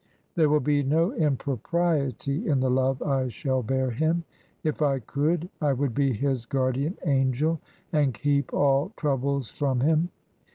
"There will be no impropriety in the love I shall bear him. If I could I would be his guardian angel, and keep all troubles from him."